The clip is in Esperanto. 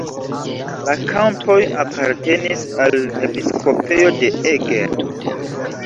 La kampoj apartenis al episkopejo de Eger.